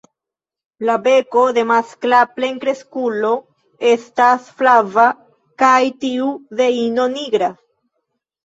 La beko de maskla plenkreskulo estas flava kaj tiu de ino nigra.